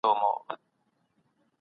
پانګه والي په نړۍ کي واکمنه ده.